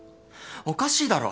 おかしいだろ。